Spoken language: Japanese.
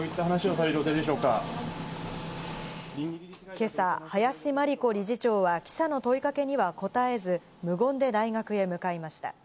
今朝、林真理子理事長は記者の問い掛けには答えず、無言で大学へ向かいました。